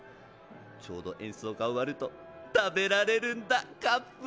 ちょうどえんそうがおわると食べられるんだカップラーメン！